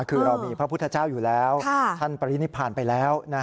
คือเรามีพระพุทธเจ้าอยู่แล้วท่านปริณิตผ่านไปแล้ว